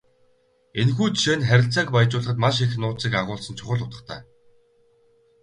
Энэхүү жишээ нь харилцааг баяжуулахад маш их нууцыг агуулсан чухал утгатай.